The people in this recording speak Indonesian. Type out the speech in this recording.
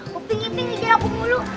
kok pingin pingin aja aku mulu